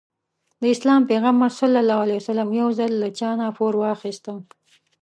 د اسلام پيغمبر ص يو ځل له چانه پور واخيسته.